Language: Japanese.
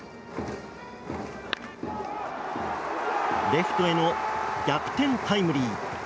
レフトへの逆転タイムリー。